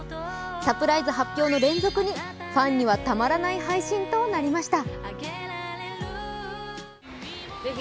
サプライズ発表の連続にファンにはたまらない配信となりました。